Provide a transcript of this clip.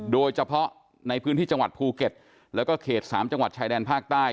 โดยเฉพาะในพื้นที่จังหวัดภูเก็ตแล้วก็เขต๓จังหวัดชายแดนภาคใต้